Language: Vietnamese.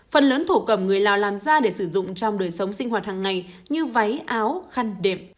phần lớn thổ cầm người lào làm ra để sử dụng trong đời sống sinh hoạt hàng ngày như váy áo khăn đẹp